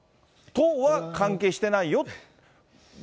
党は関係してないよって。